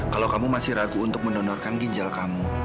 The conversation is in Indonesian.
kalau kamu masih ragu untuk mendonorkan ginjal kamu